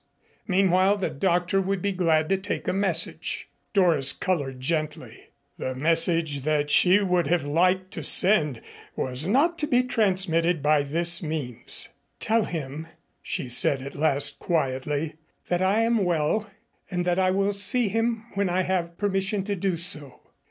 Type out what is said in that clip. Meanwhile the doctor would be glad to take a message. Doris colored gently. The message that she would have liked to send was not to be transmitted by this means. "Tell him," she said at last quietly, "that I am well and that I will see him when I have permission to do so."